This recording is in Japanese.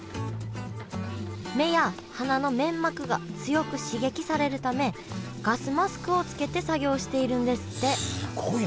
目や鼻の粘膜が強く刺激されるためガスマスクをつけて作業しているんですってすごいな。